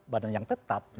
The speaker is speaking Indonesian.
badan yang tetap